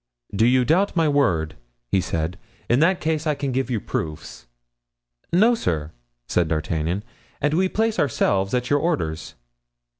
"Do you doubt my word?" he said. "In that case I can give you proofs." "No, sir," said D'Artagnan; "and we place ourselves at your orders."